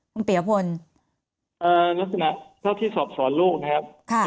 คุณปียพลลักษณะเท่าที่สอบสอนลูกนะครับ